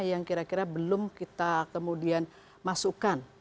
yang kira kira belum kita kemudian masukkan